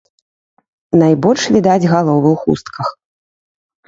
Найбольш відаць галовы ў хустках.